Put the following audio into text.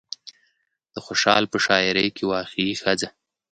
د خوشال په شاعرۍ کې واقعي ښځه